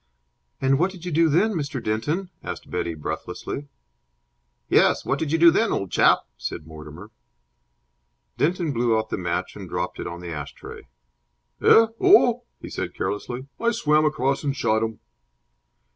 "And what did you do then, Mr. Denton?" asked Betty, breathlessly. "Yes, what did you do then, old chap?" said Mortimer. Denton blew out the match and dropped it on the ash tray. "Eh? Oh," he said, carelessly, "I swam across and shot him."